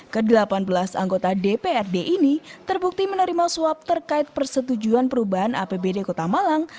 ke delapan belas anggota dprd ini terbukti menerima suap terkait persetujuan perubahan apbd kota malang